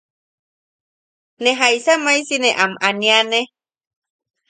¿Ne... jaisa maisi ne am aniane?